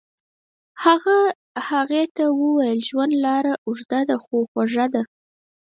هغه هغې ته وویل ژوند لاره اوږده خو خوږه ده.